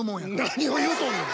何を言うとんねん。